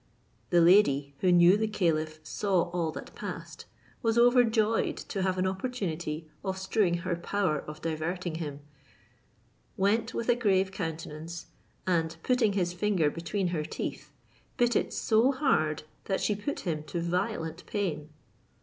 The lady, who knew the caliph saw all that passed, was overjoyed to have an opportunity of strewing her power of diverting him, went with a grave countenance, and putting his finger between her teeth, bit it so hard that she put him to violent pain.